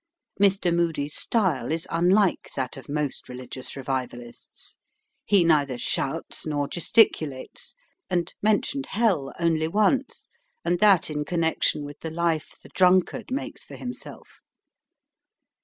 Mr. Moody's style is unlike that of most religious revivalists. He neither shouts nor gesticulates, and mentioned "hell" only once, and that in connection with the life the drunkard makes for himself.